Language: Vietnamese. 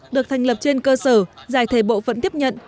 được thành lập trên cơ sở giải thể bộ phận tiếp nhận